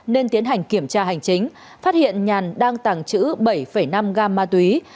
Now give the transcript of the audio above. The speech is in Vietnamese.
nên tiến hành kiểm tra hành chính phát hiện nhàn đang tàng trữ bảy năm gam ma túy